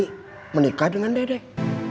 saya harus menikah dengan dedek